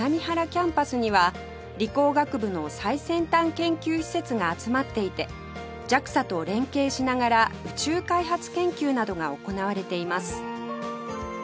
キャンパスには理工学部の最先端研究施設が集まっていて ＪＡＸＡ と連携しながら宇宙開発研究などが行われています